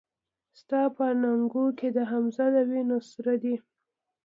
ستا په اننګو کې د حمزه د وينو سره دي